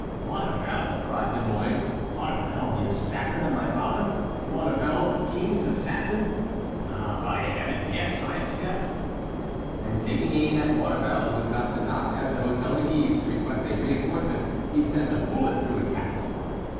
"Maurevel!" cried De Mouy; "Maurevel, the assassin of my father! Maurevel, the king's assassin! Ah, by Heaven! Yes, I accept." And taking aim at Maurevel, who was about to knock at the Hôtel de Guise to request a reinforcement, he sent a bullet through his hat.